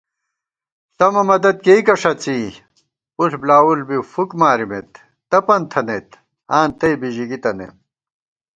ݪَمہ مدد کېئیکہ ݭَڅی ، پُݪ بۡلاوُݪ بی فُک مارِمېت، تپَن تھنَئیت، آں تئ بِژِکی تَنَئیم